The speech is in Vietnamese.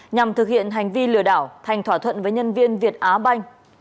nhằm thực hiện hành vi lừa đảo thành thỏa thuận với nhân viên việt á banh